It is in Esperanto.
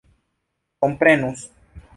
komprenus